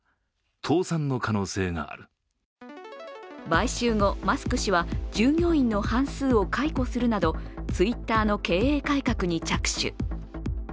買収後、マスク氏は従業員の半数を解雇するなどＴｗｉｔｔｅｒの経営改革に着手。